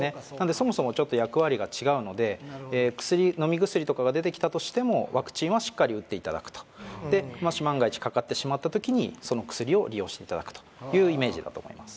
そもそもちょっと役割が違うので飲み薬とかが出てきたとしてもワクチンはしっかり打っていただくとでもし万が一かかってしまった時にその薬を利用していただくというイメージだと思います